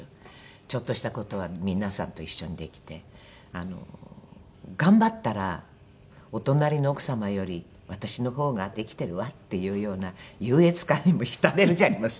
ちょっとした事は皆さんと一緒にできて頑張ったらお隣の奥様より私の方ができてるわっていうような優越感にも浸れるじゃありませんか。